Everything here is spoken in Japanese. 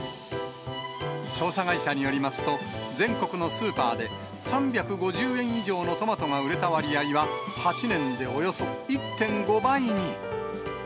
調査会社によりますと、全国のスーパーで、３５０円以上のトマトが売れた割合は、８年でおよそ１．５倍に。